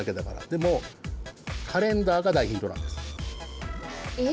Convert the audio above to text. でもカレンダーが大ヒントなんです。え？